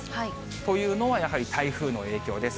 というのはやはり、台風の影響です。